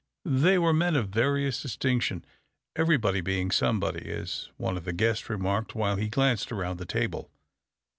They were men of various distinction, "everybody being somebody," as one of the guests remarked while he glanced around the table.